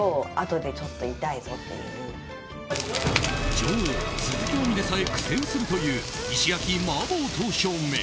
女王・鈴木亜美でさえ苦戦するという石焼麻婆刀削麺。